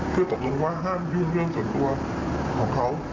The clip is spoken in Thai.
เพื่อตกลงว่าห้ามยื่นเรื่องส่วนตัวของเขา